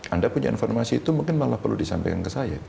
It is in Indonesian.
anda punya informasi itu mungkin malah perlu disampaikan ke saya